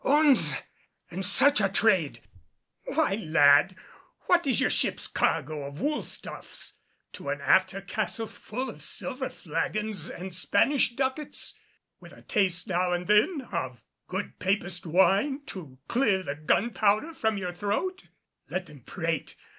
Ouns! and such a trade! Why, lad, what is your ship's cargo of wool stuffs to an after castle full of silver flagons and Spanish ducats with a taste now and then of good Papist wine to clear the gunpowder from your throat? Let them prate.